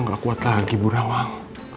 aku udah kuat lagi bu nawang